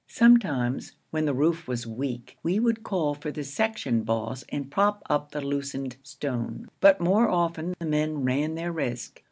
Sometimes, when the roof was weak, we would call for the section boss and prop up the loosened stone; but more often, the men ran their risk.